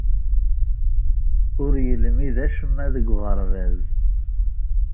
Ur yelmid acemma deg uɣerbaz.